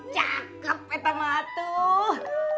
cakep petra matuh